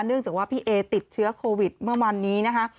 เนื่องจากว่าพี่เอติดเชื้อโควิดเมื่อวันนี้นะคะ